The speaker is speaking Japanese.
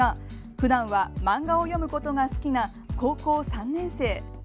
普段は、漫画を読むことが好きな高校３年生。